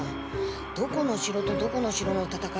どこの城とどこの城の戦いだろう？